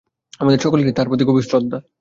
আমাদের সকলেরই তাঁহার প্রতি গভীর শ্রদ্ধা।